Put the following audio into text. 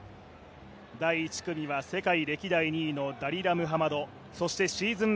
第１組は世界歴代２位のダリラ・ムハマドそしてシーズン